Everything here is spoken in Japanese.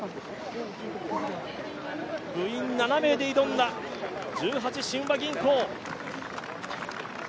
部員７名で挑んだ十八親和銀行。